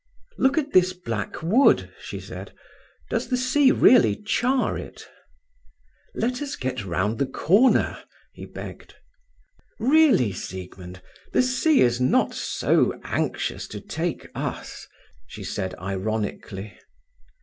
"Look at this black wood," she said. "Does the sea really char it?" "Let us get round the corner," he begged. "Really, Siegmund, the sea is not so anxious to take us," she said ironically.